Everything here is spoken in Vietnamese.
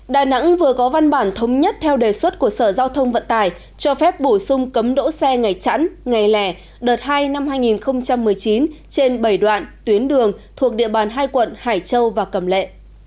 đà nẵng vừa có văn bản thống nhất theo đề xuất của sở giao thông vận tải cho phép bổ sung cấm đỗ xe ngày chẵn ngày lẻ đợt hai năm hai nghìn một mươi chín trên bảy đoạn tuyến đường thuộc địa bàn hai quận hải châu và cầm lệ